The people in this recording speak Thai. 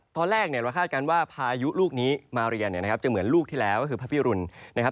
ตอนแรกเนี่ยเราคาดการณ์ว่าพายุลูกนี้มาเรียนเนี่ยนะครับจะเหมือนลูกที่แล้วก็คือพระพิรุณนะครับ